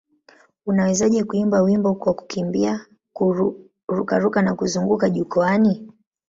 Unawezaje kuimba wimbo kwa kukimbia, kururuka na kuzunguka jukwaani?